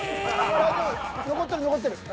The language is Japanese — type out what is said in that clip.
大丈夫残ってる残ってる。